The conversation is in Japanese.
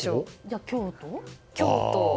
京都？